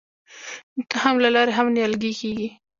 د تخم له لارې هم نیالګي کیږي.